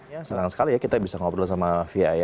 ya senang sekali ya kita bisa ngobrol sama fia ya